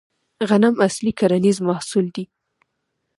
غنم اصلي کرنیز محصول دی